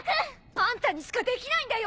あんたにしかできないんだよ！